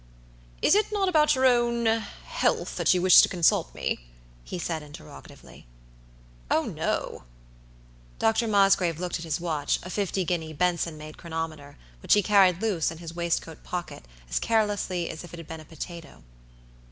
"Is it not about your ownhealththat you wish to consult me?" he said, interrogatively. "Oh, no!" Dr. Mosgrave looked at his watch, a fifty guinea Benson made chronometer, which he carried loose in his waistcoat pocket as carelessly as if it had been a potato.